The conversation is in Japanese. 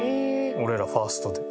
俺らファーストで。